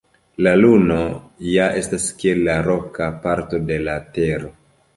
La Luno ja estas kiel la roka parto de la Tero.